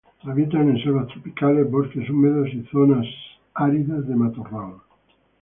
Habitan en selvas tropicales, bosques húmedos y zonas áridas de matorral.